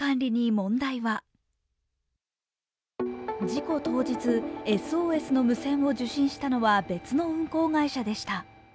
事故当日、ＳＯＳの無線を受信したのは別の運航会社でした。